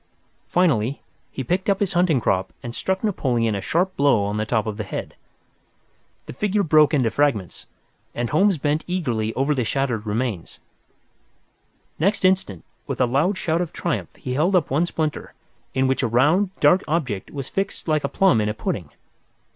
Finally, he picked up his hunting crop and struck Napoleon a sharp blow on the top of the head. The figure broke into fragments, and Holmes bent eagerly over the shattered remains. Next instant, with a loud shout of triumph he held up one splinter, in which a round, dark object was fixed like a plum in a pudding.